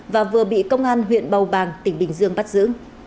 và vừa bị công an huyện bầu bàng tỉnh bình dương bắt giữ